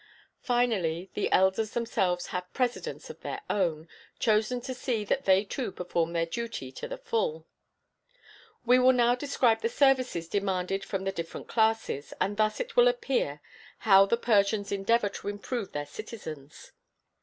Finally, the elders themselves have presidents of their own, chosen to see that they too perform their duty to the full. We will now describe the services demanded from the different classes, and thus it will appear how the Persians endeavour to improve their citizens.